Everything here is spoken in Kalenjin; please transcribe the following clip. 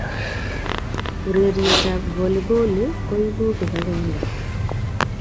ureriet ap valiboli koipu kipakenge